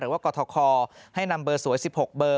ว่ากรทคให้นำเบอร์สวย๑๖เบอร์